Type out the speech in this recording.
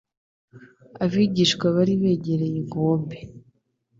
Abigishwa bari begereye inkombe.